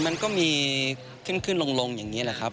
มันก็มีขึ้นลงอย่างนี้แหละครับ